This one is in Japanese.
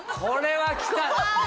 これはきた。